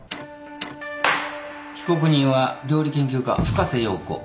被告人は料理研究家深瀬瑤子。